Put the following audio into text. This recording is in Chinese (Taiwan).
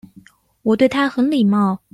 我對他很禮貌